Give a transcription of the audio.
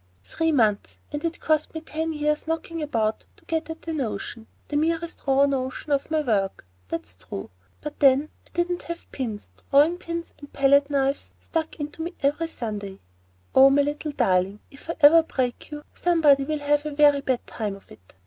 Three months!—and it cost me ten years' knocking about to get at the notion, the merest raw notion, of my work. That's true; but then I didn't have pins, drawing pins, and palette knives, stuck into me every Sunday. Oh, my little darling, if ever I break you, somebody will have a very bad time of it.